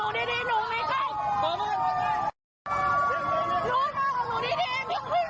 แล้วพี่มาถูกรถอยู่ได้ไง